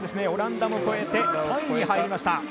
オランダを超えて３位に入りました。